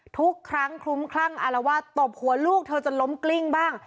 ทุกครั้งคลุ้มคลั่งอารวาสตบหัวลูกเธอจนล้มกลิ้งบ้าง